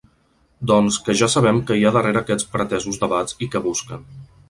Doncs que ja sabem qui hi ha darrera aquests pretesos debats i què busquen.